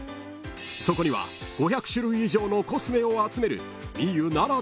［そこには５００種類以上のコスメを集める］